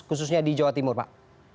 khususnya di jawa timur pak